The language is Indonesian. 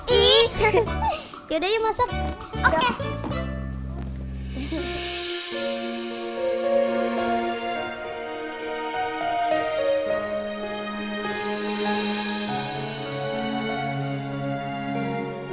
ih yuk yuk masuk oke